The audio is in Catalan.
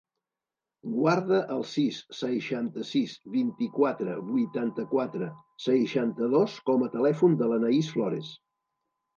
Guarda el sis, seixanta-sis, vint-i-quatre, vuitanta-quatre, seixanta-dos com a telèfon de l'Anaís Florez.